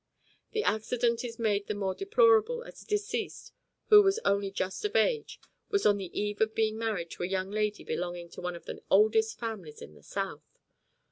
The accident is made the more deplorable as the deceased, who was only just of age, was on the eve of being married to a young lady belonging to one of the oldest families in the South.